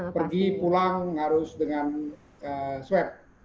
pergi pulang harus dengan swab